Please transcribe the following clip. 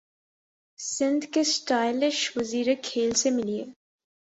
سندھ کے اسٹائلش وزیر کھیل سے ملیے